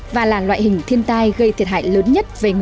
và là loại hình thiên tai gây thiệt hại lớn